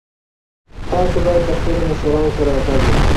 تاسو باید له خپلو مشرانو سره ادب وکړئ.